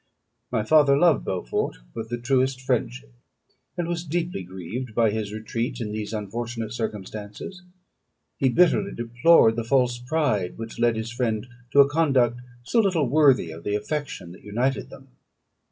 My father loved Beaufort with the truest friendship, and was deeply grieved by his retreat in these unfortunate circumstances. He bitterly deplored the false pride which led his friend to a conduct so little worthy of the affection that united them.